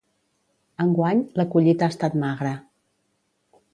Enguany, la collita ha estat magra.